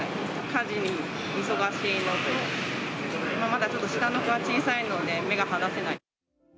家事が忙しいのと、まだちょっと下の子が小さいので、目が離せない。